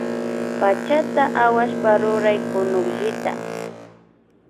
Puchata awashpa ruray kunukllita